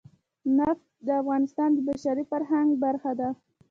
نفت د افغانستان د بشري فرهنګ برخه ده.